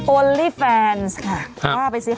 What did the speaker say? โอลิแฟนค่ะ